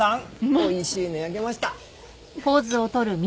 おいしいの焼けました。